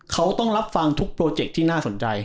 เขาต้องรับฟังทุกโปรเจคที่น่าสนใจ